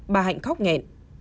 bà hạnh khóc nghẹn